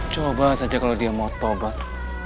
coba saja kalau dia mau tobat